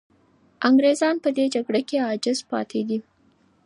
انګریزان په دې جګړه کې عاجز پاتې دي.